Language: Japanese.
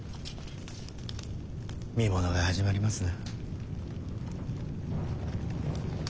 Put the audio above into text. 見ものが始まりますな。